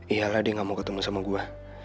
iyalah dia gak mau ketemu sama gue